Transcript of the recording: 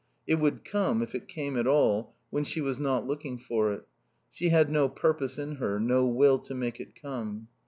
It would come, if it came at all, when she was not looking for it. She had no purpose in her, no will to make it come.